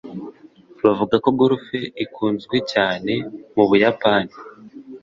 Bavuga ko golf ikunzwe cyane mu Buyapani